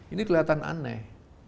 ini kelihatan aneh